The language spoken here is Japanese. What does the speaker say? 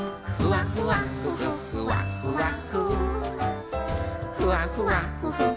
「ふわふわふふふわふわふ」